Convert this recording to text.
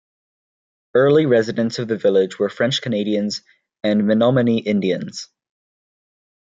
Early residents of the village were French Canadians and Menomonee Indians.